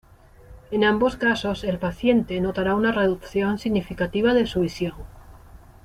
En ambos casos el paciente notara una reducción significativa de su visión.